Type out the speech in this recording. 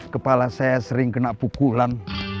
kepala saya sering kena pukulan